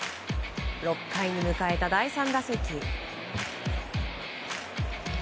６回に迎えた第３打席。